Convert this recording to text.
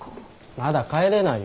まだ帰れないよ。